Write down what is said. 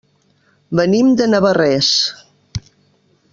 Venim de Navarrés.